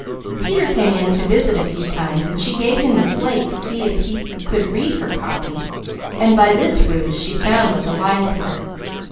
_ Peter came in to visit a few minutes, so she gave him the slate to see if he could read her copy, and by this ruse she found what the lines were.